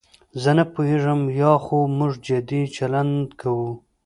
زه نه پوهېږم یا خو موږ جدي چلند کوو.